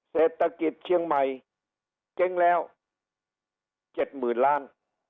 เศรษฐกิจเชียงใหม่เจ๊งแล้ว๗๐๐๐ล้าน